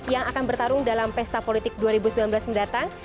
yang akan bertarung dalam pesta politik dua ribu sembilan belas mendatang